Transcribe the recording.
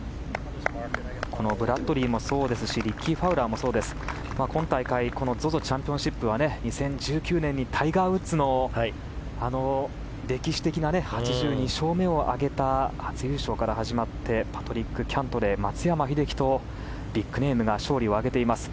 ブラッドリーもそうですしリッキー・ファウラーもそうです今大会ＺＯＺＯチャンピオンシップは２０１９年にタイガー・ウッズの歴史的な８２勝目を挙げた初優勝から始まってパトリック・キャントレー松山英樹とビッグネームが勝利を挙げています。